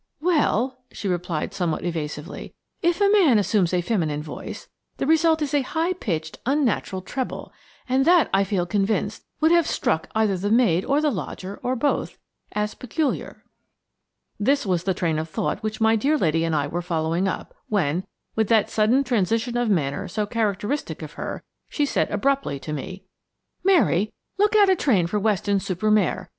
"Well," she replied somewhat evasively, "if a man assumes a feminine voice, the result is a high pitched, unnatural treble; and that, I feel convinced, would have struck either the maid or the lodger, or both, as peculiar." This was the train of thought which my dear lady and I were following up, when, with that sudden transition of manner so characteristic of her, she said abruptly to me: "Mary, look out a train for Weston super Mare.